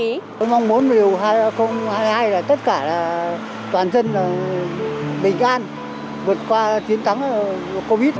tôi mong muốn điều hai nghìn hai mươi hai là tất cả là toàn dân bình an vượt qua chiến thắng covid